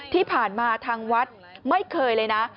ที่ผ่านมาทางวัดไม่เคยเลยนะ